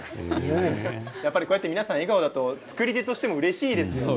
皆さん笑顔だと作り手としてもうれしいですね。